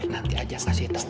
nanti aja kasih taunya